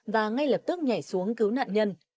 và ngay lập tức nhảy xuống cứu nạn nhân